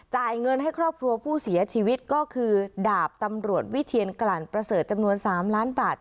จ่ายเงินให้ครอบครัวผู้เสียชีวิตก็คือดาบตำรวจวิเทียนกลั่นประเสริฐจำนวน๓ล้านบาท